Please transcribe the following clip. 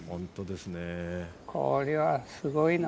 これはすごいな。